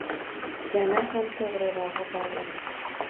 Yana ham to’g’rirog’i bor edi.